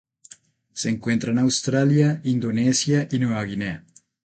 Se encuentra en Australia, Indonesia y Nueva Guinea.